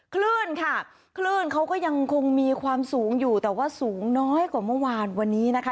คลื่นค่ะคลื่นเขาก็ยังคงมีความสูงอยู่แต่ว่าสูงน้อยกว่าเมื่อวานวันนี้นะคะ